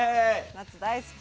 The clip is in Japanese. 夏大好き！